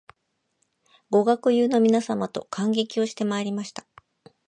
ご学友の皆様と観劇をしてまいりました